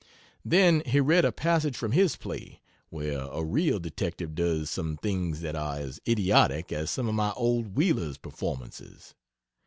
Then he read a passage from his play, where a real detective does some things that are as idiotic as some of my old Wheeler's performances.